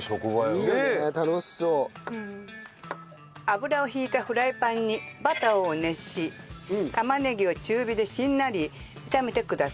油を引いたフライパンにバターを熱し玉ねぎを中火でしんなり炒めてください。